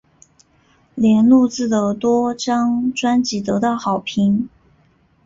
莲录制的多张专辑得到好评。